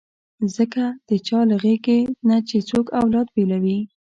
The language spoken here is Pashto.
ځکه د چا له غېږې نه چې څوک اولاد بېلوي.